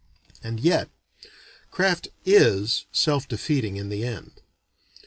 And yet craft is self defeating in the end.